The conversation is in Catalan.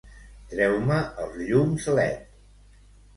Treu-me els llums led.